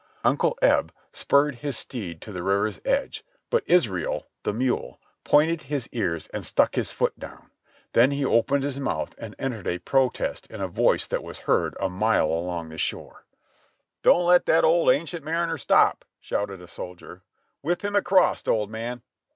Uncle Ebe spurred his steed to the river's edge, but "Israel," the mule, pointed his ears and stuck his feet down; then he opened his mouth and entered a protest in a voice that was heard a mile along the shore. "Don't let that old 'Ancient Mariner' stop!" shouted a soldier. "Whip him across, old man!"